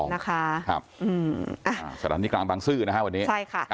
นะคะครับอืมอ่าสถานีกลางบางซื่อนะฮะวันนี้ใช่ค่ะ